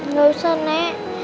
nggak usah nek